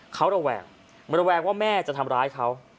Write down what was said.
เขาระแวงระแวงว่าแม่จะทำร้ายเขา